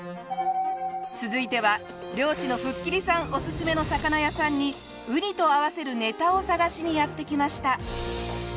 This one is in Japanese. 続いては漁師の吹切さんおすすめの魚屋さんにウニと合わせるネタを探しにやって来ました。